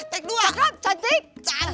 take dua cakep cantik